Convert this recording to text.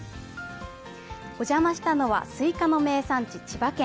お邪魔したのはスイカの名産地千葉県。